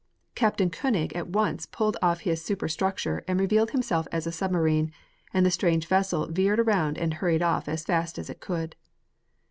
Captain Koenig at once pulled off his super structure and revealed himself as a submarine, and the strange vessel veered about and hurried off as fast as it could.